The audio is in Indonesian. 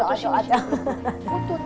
aduh aduh aduh